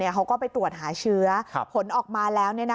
เขาก็ไปตรวจหาเชื้อผลออกมาแล้ว